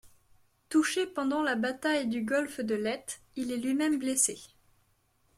Touché pendant la bataille du golfe de Leyte, il est lui-même blessé.